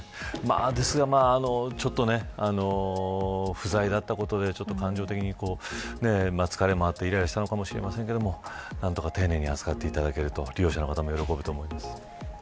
しかし不在だったことで、感情的に疲れもあって、いらいらしたところもあると思いますが何とか丁寧に扱っていただけた方が利用者の方も喜ぶと思います。